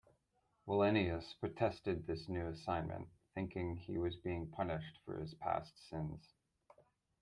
Wallenius protested this new assignment, thinking he was being punished for his past sins.